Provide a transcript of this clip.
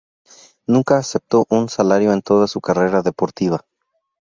Nunca aceptó un salario en toda su carrera deportiva.